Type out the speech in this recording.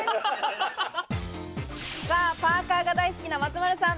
パーカーが大好きな松丸さん。